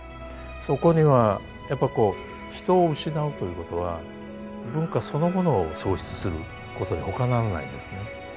そこにはやっぱこう人を失うということは文化そのものを喪失することにほかならないんですね。